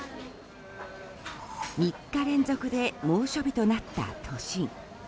３日連続で猛暑日となった都心。